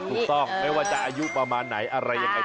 ถูกต้องไม่ว่าจะอายุประมาณไหนอะไรยังไง